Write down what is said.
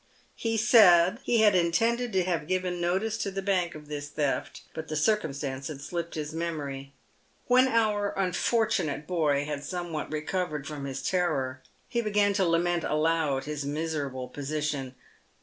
He had, he said, intended to have given notice to the bank of this theft, but the circumstance had slipped his memory. When our unfortunate boy had somewhat recovered from his terror, he began to lament aloud his miserable position.